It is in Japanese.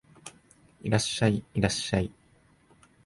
いらっしゃい、いらっしゃい